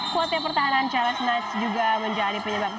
kuartal pertahanan cls knights juga menjadi penyebabnya